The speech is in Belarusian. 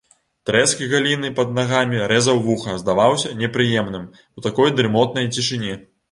Трэск галіны пад нагамі рэзаў вуха, здаваўся непрыемным у такой дрымотнай цішыні.